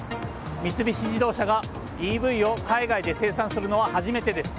三菱自動車がＥＶを海外で生産するのは初めてです。